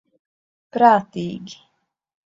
Prātīgi.